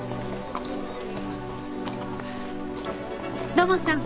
土門さん。